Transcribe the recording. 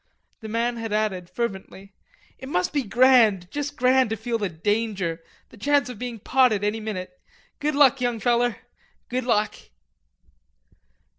The man had added fervently, "It must be grand, just grand, to feel the danger, the chance of being potted any minute. Good luck, young feller.... Good luck."